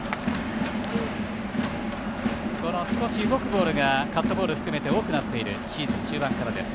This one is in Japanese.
少し動くボールがカットボールを含めて多くなっているシーズン中盤からです。